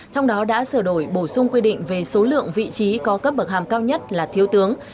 trong đó đã sửa đổi bổ sung quy định về số lượng vị trí có cấp bậc hàm cao nhất là thiếu tướng